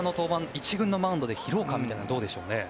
１軍のマウンドで疲労感はどうでしょうか。